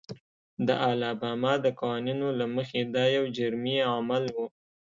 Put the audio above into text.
د الاباما د قوانینو له مخې دا یو جرمي عمل و.